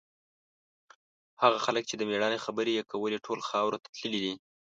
هغه خلک چې د مېړانې خبرې یې کولې، ټول خاورو ته تللي دي.